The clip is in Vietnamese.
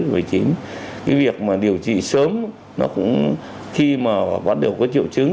vì việc mà điều trị sớm nó cũng khi mà bắt đầu có triệu chứng